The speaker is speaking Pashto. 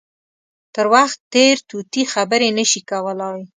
تر وخت تېر طوطي خبرې نه شي کولای.